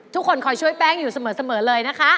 คอยช่วยแป้งอยู่เสมอเลยนะคะ